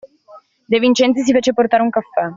De Vincenzi si fece portare un caffè.